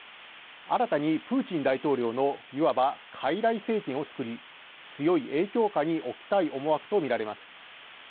新たにプーチン大統領のいわば、かいらい政権を作り強い影響下に置きたい思惑とみられます。